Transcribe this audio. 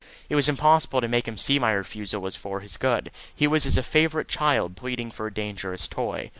It was impossible to make him see my refusal was for his good. He was as a favourite child pleading for a dangerous toy.